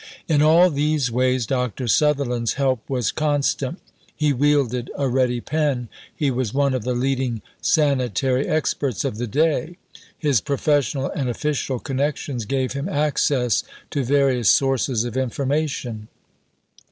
In all these ways Dr. Sutherland's help was constant. He wielded a ready pen. He was one of the leading sanitary experts of the day. His professional and official connections gave him access to various sources of information.